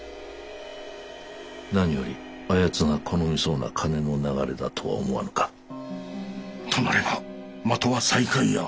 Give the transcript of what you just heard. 何よりあやつが好みそうな金の流れだとは思わぬか？となれば的は西海屋。